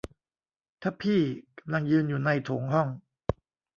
ทัพพี่กำลังยืนอยู่ในห้องโถง